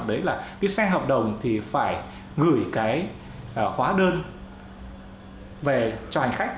đấy là cái xe hợp đồng thì phải gửi cái hóa đơn về cho hành khách